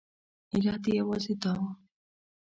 علت یې یوازې دا و.